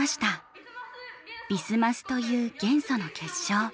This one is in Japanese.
「ビスマス」という元素の結晶。